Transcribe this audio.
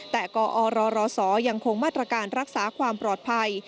แต่กอรศยังคงมาตรการรักษาความปลอดภัย